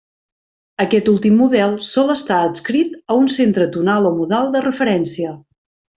Aquest últim model sol estar adscrit a un centre tonal o modal de referència.